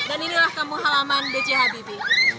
dan inilah kampung halaman b j habibi